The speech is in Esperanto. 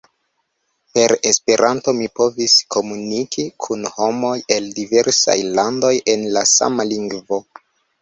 Per Esperanto mi povis komuniki kun homoj el diversaj landoj en la sama lingvo.